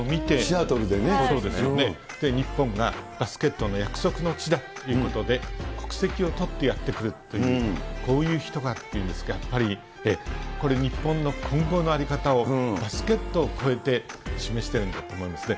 シアトルでね、日本がバスケットの約束の地だということで、国籍を取ってやって来るという、こういう人がっていうんですか、やっぱり、これ日本の今後の在り方を、バスケットを超えて示してるんだと思うんですね。